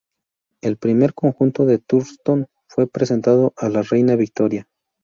El primer conjunto de Thurston fue presentado a la Reina Victoria.